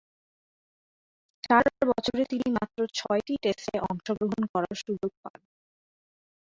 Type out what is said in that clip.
চার বছরে তিনি মাত্র ছয়টি টেস্টে অংশগ্রহণ করার সুযোগ পান।